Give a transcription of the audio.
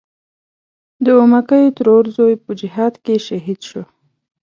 د اومکۍ ترور زوی په جهاد کې شهید و.